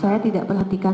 saya tidak perhatikan